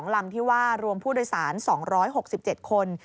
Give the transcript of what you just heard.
ลำที่ว่ารวมผู้โดยสาร๒๖๗คน